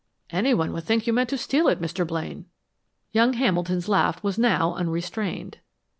"Anyone would think you meant to steal it, Mr. Blaine." Young Hamilton's laugh was now unrestrained.